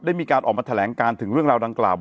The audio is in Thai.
มีการออกมาแถลงการถึงเรื่องราวดังกล่าว